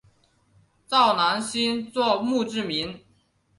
赵南星作墓志铭。